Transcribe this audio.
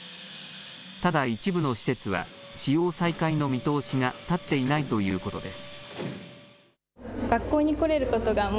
ただ、一部の積雪は使用再開の見通しが立っていないということです。